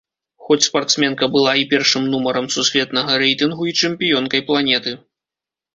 Хоць спартсменка была і першым нумарам сусветнага рэйтынгу і чэмпіёнкай планеты.